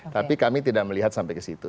tapi kami tidak melihat sampai ke situ